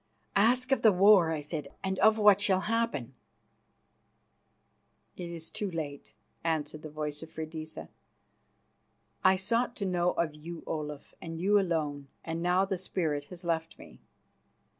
"Ask of the war," I said, "and of what shall happen." "It is too late," answered the voice of Freydisa. "I sought to know of you, Olaf, and you alone, and now the spirit has left me."